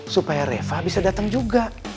supaya reva bisa datang juga